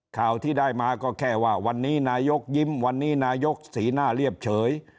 ข่าวที่ได้มาก็แค่ว่าวันนี้นายกยิ้มวันนี้นายกสีหน้าเรียบเฉย